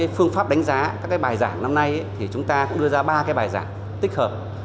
phương pháp đánh giá các bài giảng năm nay thì chúng ta cũng đưa ra ba bài giảng tích hợp